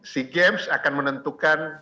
sea games akan menentukan